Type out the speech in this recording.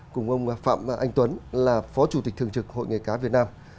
cùng ông phạm anh tuấn là phó chủ tịch thường trực hội nghề cá việt nam